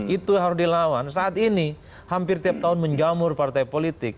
itu harus dilawan saat ini hampir tiap tahun menjamur partai politik